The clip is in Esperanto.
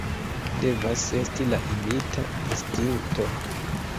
Devas esti la imita instinkto!